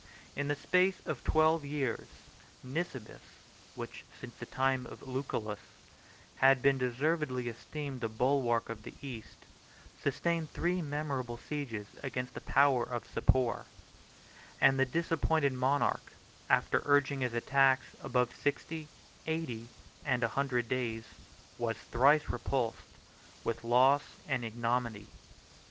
In the space of twelve years, Nisibis, which, since the time of Lucullus, had been deservedly esteemed the bulwark of the East, sustained three memorable sieges against the power of Sapor; and the disappointed monarch, after urging his attacks above sixty, eighty, and a hundred days, was thrice repulsed with loss and ignominy.